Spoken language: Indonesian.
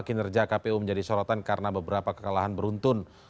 kinerja kpu menjadi sorotan karena beberapa kekalahan beruntun